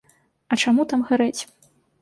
А чаму там гарэць?